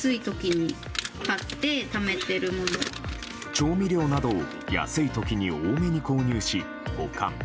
調味料などを安い時に多めに購入し、保管。